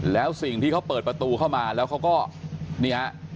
แล้วสิ่งที่เขาเปิดประตูเข้ามาแล้วเขาก็นี่ฮะ